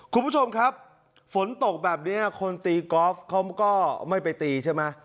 คุณผู้ชมครับฝนตกแบบนี้คนตีกอล์ฟเขาก็ไม่ไปตีใช่ไหม